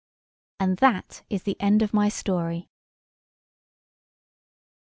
And that is the end of my story.